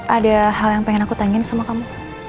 ada hal yang pengen aku tanyain sama kamu